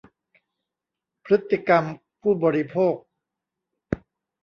พฤติกรรมผู้บริโภค